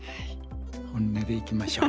本音でいきましょう。